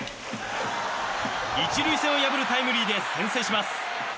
１塁線を破るタイムリーで先制します。